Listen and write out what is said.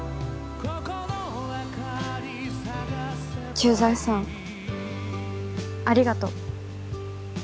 駐在さんありがと。